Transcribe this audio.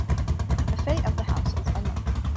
The fate of the house is unknown.